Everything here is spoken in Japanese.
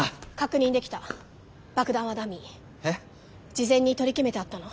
事前に取り決めてあったの。